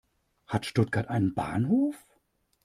Hat Stuttgart einen Bahnhof?